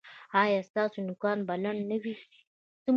ایا ستاسو نوکان به لنډ نه وي؟